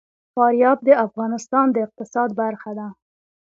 فاریاب د افغانستان د اقتصاد برخه ده.